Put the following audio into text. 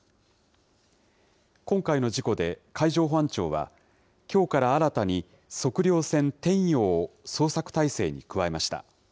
今回の事故で、海上保安庁は、きょうから新たに、測量船天洋を捜索態勢に加えました。